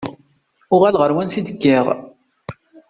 Uɣaleɣ ɣer wansi i d-kkiɣ.